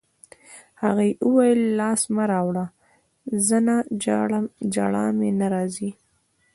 هغې وویل: لاس مه راوړه، زه نه ژاړم، ژړا مې نه راځي.